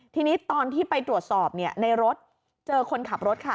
ทีนี้ตอนที่ไปตรวจสอบในรถเจอคนขับรถค่ะ